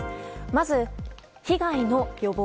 まず、被害の予防。